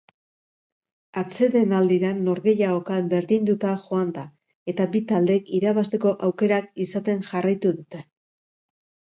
Atsedenaldira norgehiagoka berdinduta joan da eta bi taldeek irabazteko aukerak izaten jarraitu dute.